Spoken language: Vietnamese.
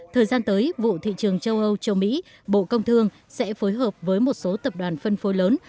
thời gian tới vụ thị trường châu âu châu mỹ bộ công thương sẽ phối hợp với một số tập đoàn phân phối lớn